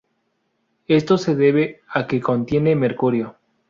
Esto se debe a que contiene mercurio.